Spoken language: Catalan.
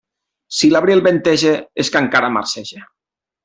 Si l'abril venteja, és que encara marceja.